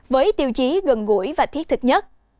với tiêu chí gần gũi và thiết thực nhất